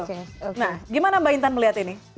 oke nah gimana mbak intan melihat ini